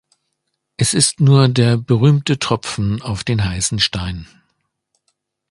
Es ist nur der berühmte Tropfen auf den heißen Stein.